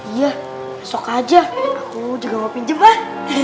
iya besok aja aku juga mau pinjam lah